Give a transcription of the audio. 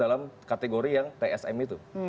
dalam kategori yang tsm itu